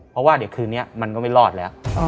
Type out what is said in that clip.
เพราะว่าเดี๋ยวคืนนี้มันก็ไม่รอดแล้ว